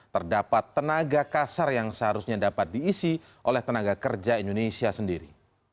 terdapat tenaga kasar yang seharusnya dapat diisi oleh tenaga kerja indonesia sendiri